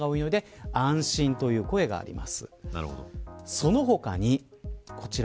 その他にこちら。